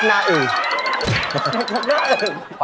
หน้าบวม